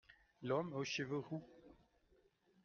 L'homme aux cheveux roux.